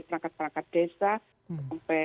perangkat perangkat desa sampai